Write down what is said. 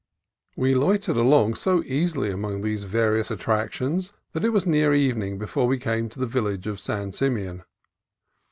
We loitered along so easily among these various attractions that it was near evening before we came to the village of San Simeon.